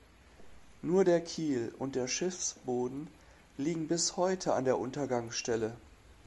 Nur der Kiel und der Schiffsboden liegen bis heute an der Untergangsstelle.